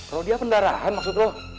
roh dia pendarahan maksud lo